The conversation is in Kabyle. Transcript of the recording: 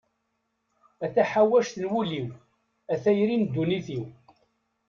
A taḥawact n wul-iw, a tayri n dunnit-iw.